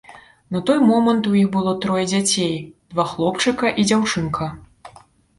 На той момант у іх было трое дзяцей, два хлопчыка і дзяўчынка.